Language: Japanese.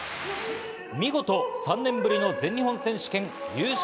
見事３年ぶりの全日本選手権優勝。